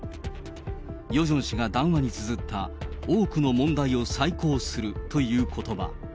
ヨジョン氏が談話につづった、多くの問題を再考するということば。